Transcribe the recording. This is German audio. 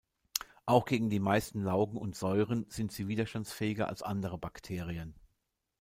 Auch gegen die meisten Laugen und Säuren sind sie widerstandsfähiger als andere Bakterien.